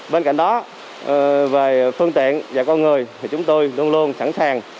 bên cạnh đó về phương tiện và con người thì chúng tôi luôn luôn sẵn sàng